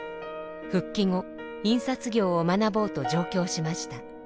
復帰後印刷業を学ぼうと上京しました。